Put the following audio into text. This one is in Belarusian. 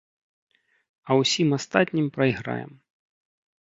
А ўсім астатнім прайграем.